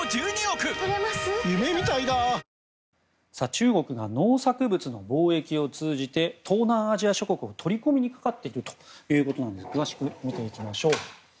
中国が農作物の貿易を通じて東南アジア諸国の取り込みにかかっているということで詳しく見ていきましょう。